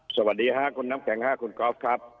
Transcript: สวัสดีค่ะคุณน้ำแข็งค่ะคุณกอล์ฟครับ